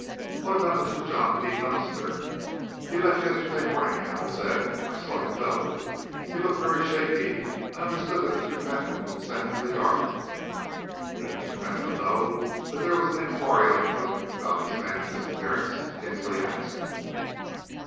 "What about Mr. John P. Dunster?" "He left yesterday morning," Hamel said. "I saw him go. He looked very shaky. I understood that Mr. Fentolin sent him to Yarmouth." "Did Mr. Fentolin know that there was an enquiry on foot about this man's disappearance?" Kinsley asked.